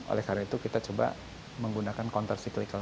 oleh karena itu kita coba menggunakan counter cyclical